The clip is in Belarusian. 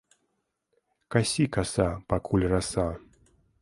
Касі, каса, пакуль раса!